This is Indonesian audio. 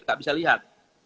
tidak bisa dilihat